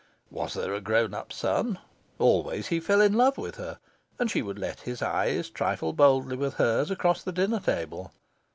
Was there a grown up son, always he fell in love with her, and she would let his eyes trifle boldly with hers across the dinner table.